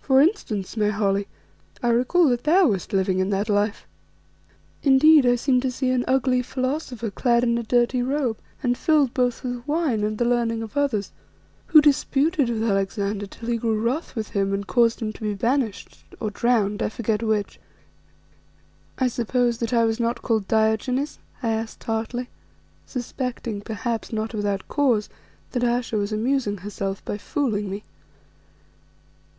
For instance, my Holly, I recall that thou wast living in that life. Indeed I seem to see an ugly philosopher clad in a dirty robe and filled both with wine and the learning of others, who disputed with Alexander till he grew wroth with him and caused him to be banished, or drowned: I forget which." "I suppose that I was not called Diogenes?" I asked tartly, suspecting, perhaps not without cause, that Ayesha was amusing herself by fooling me.